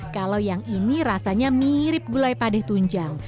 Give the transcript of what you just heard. kalau yang ini rasanya mirip gulai padeh tunjang